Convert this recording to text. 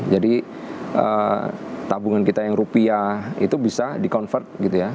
jadi tabungan kita yang rupiah itu bisa di convert gitu ya